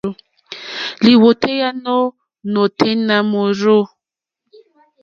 Lìwòtéyá nù nôténá mòrzô.